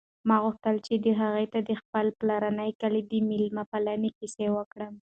ما غوښتل چې هغې ته د خپل پلارني کلي د مېلمه پالنې کیسې وکړم.